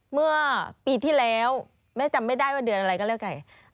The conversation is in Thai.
เมื่อปีที่แล้วแม่จำไม่ได้ว่าเดือนอะไรก็แล้วกัน